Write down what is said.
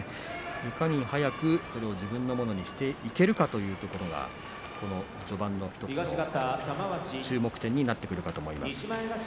いかに早く自分のものにしていけるかというところが序盤の１つの注目点になってくるかと思います。